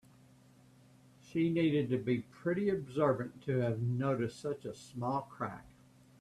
She needed to be pretty observant to have noticed such a small crack.